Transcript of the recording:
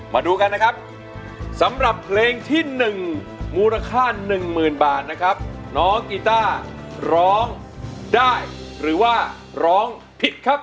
มาดูกันนะครับสำหรับเพลงที่๑มูลค่าหนึ่งหมื่นบาทนะครับน้องกีต้าร้องได้หรือว่าร้องผิดครับ